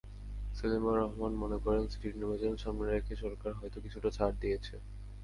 সেলিমা রহমান মনে করেন, সিটি নির্বাচন সামনে রেখে সরকার হয়তো কিছুটা ছাড় দিয়েছে।